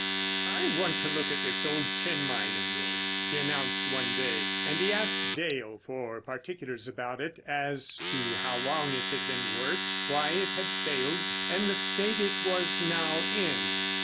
"I want to look at this old tin mine of yours," he announced one day; and he asked Dale for particulars about it, as to how long it had been worked, why it had failed, and the state it was now in.